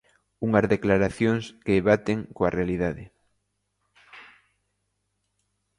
Unhas declaración que baten coa realidade.